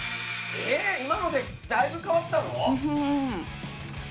今のでだいぶ変わったの？